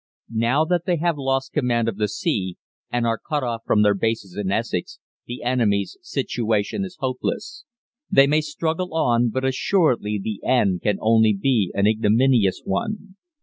Now that they have lost command of the sea, and are cut off from their bases in Essex, the enemy's situation is hopeless. They may struggle on, but assuredly the end can only be an ignominious one.